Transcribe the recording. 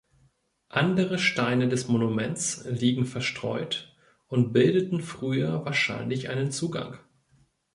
Andere Steine des Monuments liegen verstreut und bildeten früher wahrscheinlich einen Zugang.